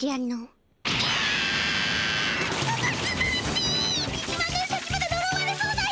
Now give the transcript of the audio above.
１万年先までのろわれそうだよ！